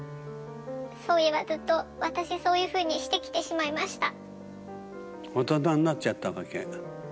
そういえばずっと私、そういうふうにしてきてしまいました。